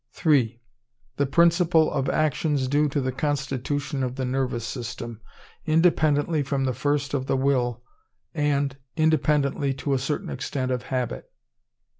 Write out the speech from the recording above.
III. _The principle of actions due to the constitution of the Nervous System, independently from the first of the Will, and independently to a certain extent of Habit_.